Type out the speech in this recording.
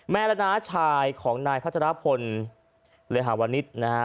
แม่และน้าชายของนายพัฒนาพลเรหาวณิชย์นะฮะ